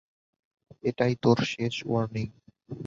এটাই তোর শেষ ওয়ার্নিং।